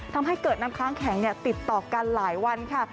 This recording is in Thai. ทำให้เกิดน้ำค้างแข็งติดต่อกันหลายวันค่ะ